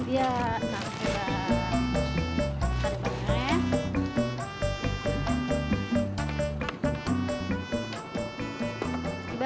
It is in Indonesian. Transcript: sampai jumpa ya